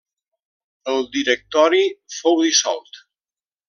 El Directori fou dissolt.